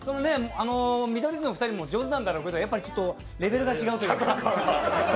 見取り図の２人も上手なんだろうけどレベルが違うというか。